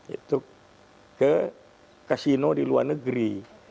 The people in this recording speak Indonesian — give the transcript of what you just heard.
itu ke kasino di luar negeri